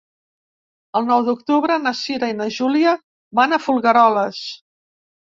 El nou d'octubre na Cira i na Júlia van a Folgueroles.